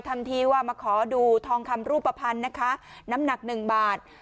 ทำทีว่ามาขอดูทองคำรูปภัณฑ์นะคะน้ำหนักหนึ่งบาท